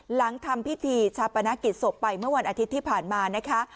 หลังทำพิธีชาปนกิจศพไปเมื่อวันอาทิตย์ที่ผ่านมานะคะ